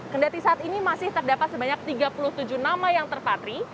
kendati saat ini masih terdapat sebanyak tiga puluh tujuh nama yang terpatri